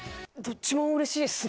どっちもうれしいです。